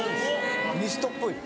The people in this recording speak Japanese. ミストっぽいの？